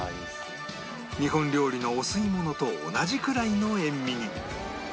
日本料理のお吸い物と同じくらいの塩味に